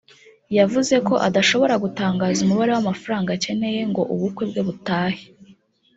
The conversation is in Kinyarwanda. yavuze ko adashobora gutangaza umubare w’amafaranga akeneye ngo ubukwe bwe butahe